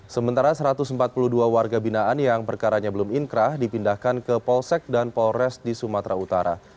sementara satu ratus empat puluh dua warga binaan yang perkaranya belum inkrah dipindahkan ke polsek dan polres di sumatera utara